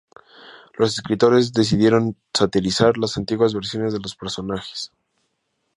Los escritores decidieron satirizar las antiguas versiones de los personajes.